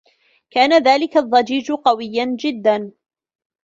كان ذلك الضّجيج قويّا جدّا.